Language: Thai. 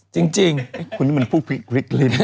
จริงจริงคุณนี่มันพูดพิกริกลิ้น